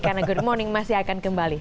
karena good morning masih akan kembali